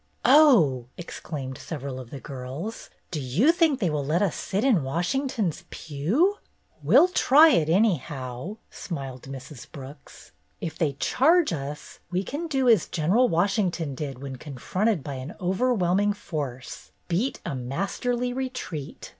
"Oh!" exclaimed several of the girls, "do you think they will let us sit in Washington's pew?" "We 'll try it, anyhow," smiled Mrs. Brooks. "If they charge us, we can do as General Washington did when confronted by an over whelming force, — beat a masterly retreat.